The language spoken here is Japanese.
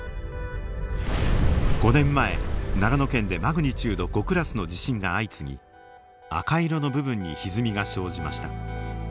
５年前長野県でマグニチュード５クラスの地震が相次ぎ赤色の部分にひずみが生じました。